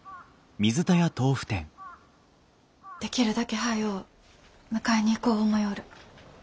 できるだけ早う迎えに行こう思ようる。